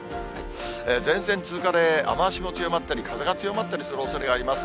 前線通過で雨足も強まったり、風が強まったりするおそれがあります。